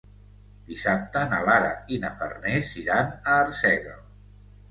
Dissabte na Lara i na Farners iran a Arsèguel.